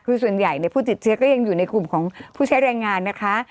คือส่วนใหญ่ผู้ติดเชื้อก็ยังอยู่ในกลุ่มของผู้ใช้แรงงานนะคะ